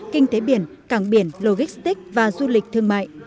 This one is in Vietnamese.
kinh tế biển cảng biển logistic và du lịch thương mại